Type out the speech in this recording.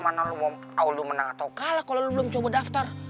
mana lo mau lo menang atau kalah kalau lo belum coba daftar